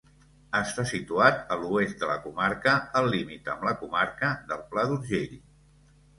Està situat a l'oest de la comarca, al límit amb la comarca del Pla d'Urgell.